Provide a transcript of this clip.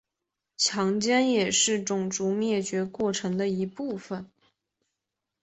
强奸也是种族灭绝过程的一部分。